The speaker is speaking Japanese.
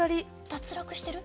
脱落してる？